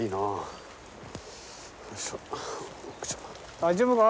大丈夫か？